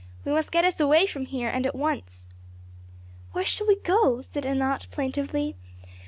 We must get us away from here and at once." "Where shall we go?" said Anat plaintively.